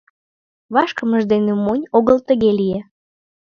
Вашкымыж дене монь огыл тыге лие.